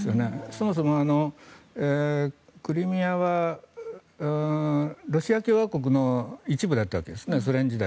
そもそも、クリミアはロシア共和国の一部だったわけですソ連時代。